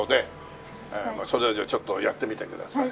それをじゃあちょっとやってみてください。